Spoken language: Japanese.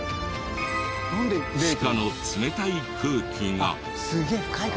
地下の冷たい空気が。